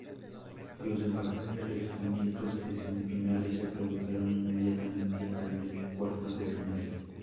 Los emparejamientos de semifinales se produjeron inmediatamente al de cuartos de final.